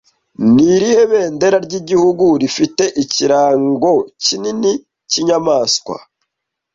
Ni irihe bendera ry'igihugu rifite ikirango kinini cy'inyamaswa